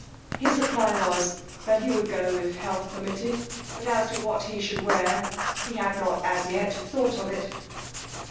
His reply was, that he would go if health permitted, but as to what he should wear he had not as yet thought of it.